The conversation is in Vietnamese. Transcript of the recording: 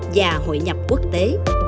và hội nhập quốc tế